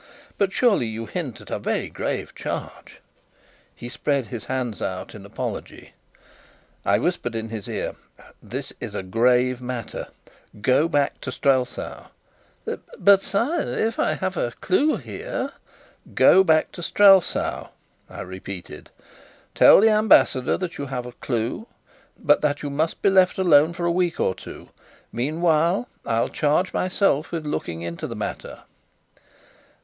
"But surely you hint at a very grave charge?" He spread his hands out in apology. I whispered in his ear: "This is a grave matter. Go back to Strelsau " "But, sire, if I have a clue here?" "Go back to Strelsau," I repeated. "Tell the Ambassador that you have a clue, but that you must be left alone for a week or two. Meanwhile, I'll charge myself with looking into the matter."